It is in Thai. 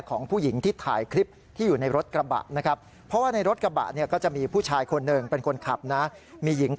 ขับตามแล้วก็มาปาดหน้ามาจอดขวาง